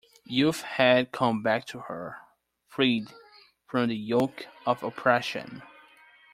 Youth had come back to her, freed from the yoke of oppression.